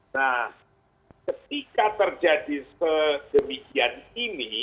nah ketika terjadi sedemikian ini